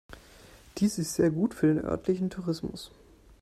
Dies ist sehr gut für den örtlichen Tourismus.